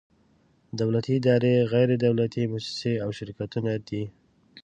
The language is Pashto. دولتي ادارې، غیر دولتي مؤسسې او شرکتونه دي.